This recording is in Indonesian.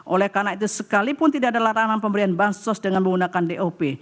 oleh karena itu sekalipun tidak ada larangan pemberian bansos dengan menggunakan dop